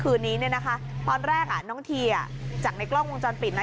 คืนนี้เนี่ยนะคะตอนแรกอ่ะน้องทีอ่ะจากในกล้องวงจรปิดนะ